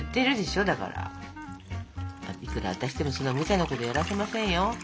いくら私でもそんなむちゃなことやらせませんよ。